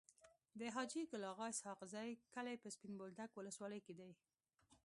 د حاجي ګل اغا اسحق زي کلی په سپين بولدک ولسوالی کي دی.